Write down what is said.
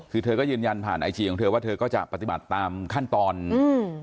คือเธอก็ยืนยันผ่านไอจีของเธอว่าเธอก็จะปฏิบัติตามขั้นตอนอืม